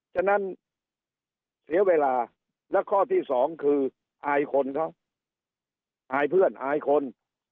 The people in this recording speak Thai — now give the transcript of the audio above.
ฉะนั้นเสียเวลาและข้อที่สองคืออายคนเขาอายเพื่อนอายคน